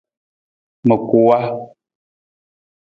Ma kuwa.